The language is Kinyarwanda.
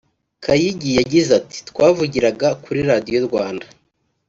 Kayigi yagize ati “Twavugiraga kuri radio Rwanda